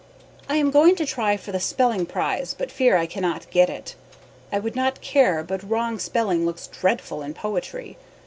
I am going to try for the speling prize but fear I cannot get it. I would not care but wrong speling looks dreadful in poetry.